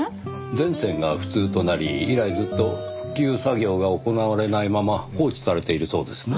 全線が不通となり以来ずっと復旧作業が行われないまま放置されているそうですねぇ。